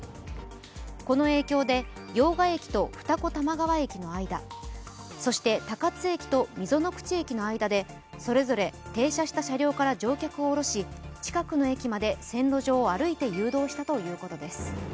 この影響で用賀駅と二子玉川駅の間、そして高津駅と溝の口駅の間でそれぞれ停車した車両から乗客を降ろし近くの駅まで線路上を歩いて誘導したということです。